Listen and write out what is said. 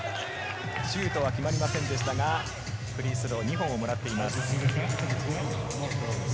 シュートは決まりませんでしたが、フリースロー２本をもらっています。